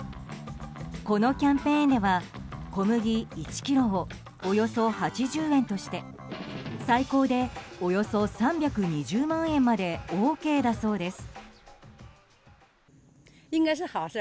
このキャンペーンでは小麦１ｋｇをおよそ８０円として最高でおよそ３２０万円までＯＫだそうです。